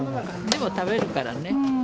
でも食べるからね。